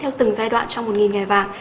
theo từng giai đoạn trong một nghìn ngày vàng